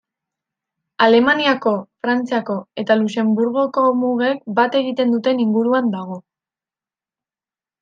Alemaniako, Frantziako eta Luxenburgoko mugek bat egiten duten inguruan dago.